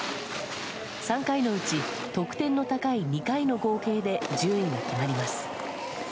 ３回のうち得点の高い２回の合計で順位が決まります。